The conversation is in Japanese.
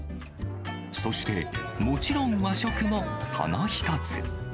そして、もちろん和食も、その一つ。